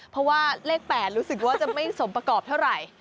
เพราะว่าเลข๘รู้สึกว่าจะไม่สมประกอบเท่าไหร่